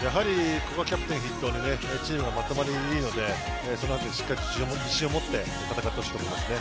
古賀キャプテン筆頭にチームのまとまりがいいのでその辺りしっかり自信を持って戦ってほしいと思います。